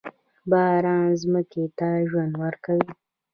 باران ځمکې ته ژوند ورکوي.